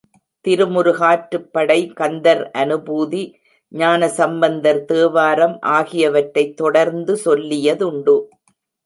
திருமுருகாற்றுப் படை, கந்தர் அநுபூதி, ஞானசம்பந்தர் தேவாரம் ஆகியவற்றைத் தொடர்ந்து சொல்லியதுண்டு.